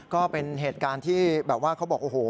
ก็เป็นเหตุการณ์ที่แบบว่าเขาบอกโอ้โห